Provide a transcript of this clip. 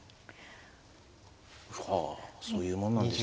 はあそういうもんなんですか。